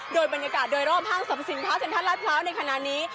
โดยบรรยากาศโดยรอบห้างสรรพสินค้าเซ็นทรัลลาดพร้าวในขณะนี้